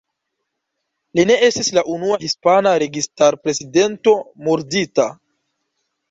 Li ne estis la unua hispana registar-prezidento murdita.